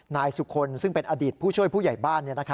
นายสุคลซึ่งเป็นอดีตผู้ช่วยผู้ใหญ่บ้าน